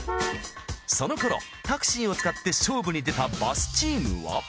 その頃タクシーを使って勝負に出たバスチームは。